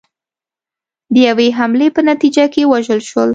د یوې حملې په نتیجه کې ووژل شول.